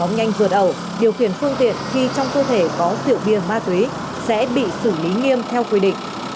móng nhanh vượt ẩu điều khiển phương tiện khi trong cơ thể có tiệu biên ma túy sẽ bị xử lý nghiêm theo quy định